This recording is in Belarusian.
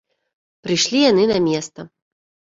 Прыйшлі яны на места.